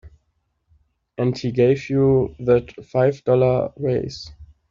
And he gave you that five dollar raise.